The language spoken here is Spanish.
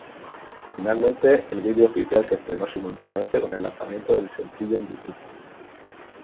Finalmente el video oficial se estrenó simultáneamente con el lanzamiento del sencillo en YouTube.